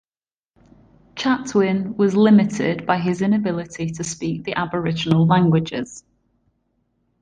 Chatwin was limited by his inability to speak the Aboriginal languages.